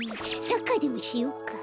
サッカーでもしようか？